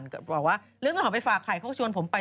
ก็บอกว่าเรื่องต้นหอมไปฝากไข่เขาก็ชวนผมไป